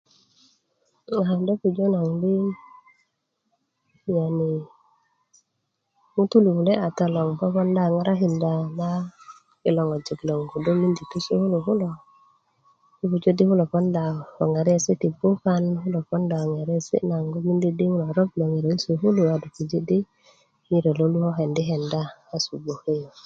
ŋutu kaŋ do pujo naŋ di yani ŋutu kule kata logon ponda i ŋarakinda na kilo ŋojik loŋ kodo mindi tu sukulu kulo do pujo naŋ di kulo poonda ko ŋariesi ti bukan kulo ponda ko ŋariesi naŋ di 'n rorop lo ŋiro i sukulu a do puji di ŋiro lo lu ko kendi kenda kasu bgoke yu